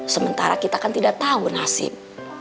sementara kita kan tidak tahu nasib